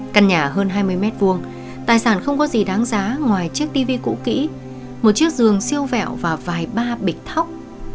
căn nhà hơn hai mươi m hai tài sản không có gì đáng giá ngoài chiếc tv cũ kỹ một chiếc giường siêu vẹo và vài ba bịch thóc